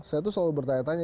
saya tuh selalu bertanya tanya